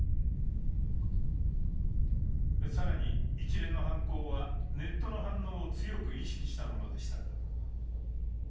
更に一連の犯行はネットの反応を強く意識したものでした。